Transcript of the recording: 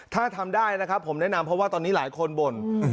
ถ้าทำได้นะครับผมแนะนำเพราะว่าตอนนี้หลายคนบ่น